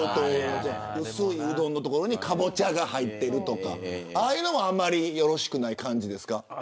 薄いうどんのところにかぼちゃが入ってるとかああいうのもよろしくない感じですか。